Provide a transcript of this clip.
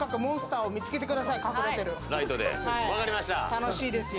楽しいですよ。